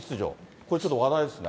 これちょっと、話題ですね。